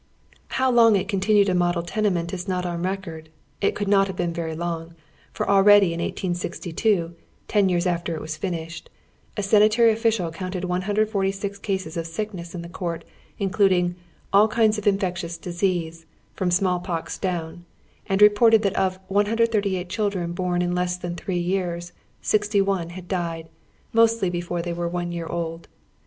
How long it continued a model tenement is not on record. It could not have been veiy long, for already in 1862, ten years after it was finished, a sanitary official counted liG cases of sickness in the court, including "all kinds of infectious disease,'" from sniall pox down, and re ported that of 138 children bom in it in less than three years 61 liad died, mostly before tliey were one year old.